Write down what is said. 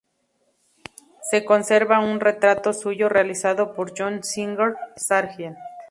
Se conserva un retrato suyo realizado por John Singer Sargent.